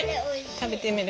食べてみる？